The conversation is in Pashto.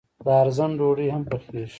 د ارزن ډوډۍ هم پخیږي.